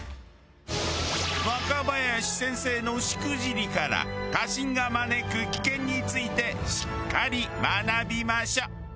若林先生のしくじりから過信が招く危険についてしっかり学びましょう。